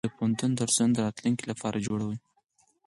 د پوهنتون درسونه د راتلونکي لپاره لار جوړوي.